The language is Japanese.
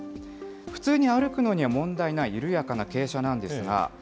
普通に歩くのには問題ない緩やかな傾斜なんですが。